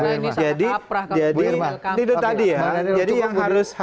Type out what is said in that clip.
nah ini sangat kaprah